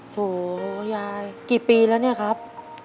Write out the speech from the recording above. โถยายกี่ปีแล้วเนี่ยครับ